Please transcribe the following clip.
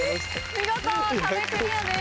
見事壁クリアです。